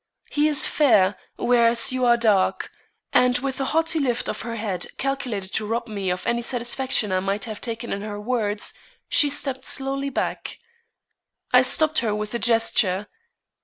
He is fair, whereas you are dark." And with a haughty lift of her head calculated to rob me of any satisfaction I might have taken in her words, she stepped slowly back. I stopped her with a gesture.